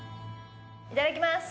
いただきます！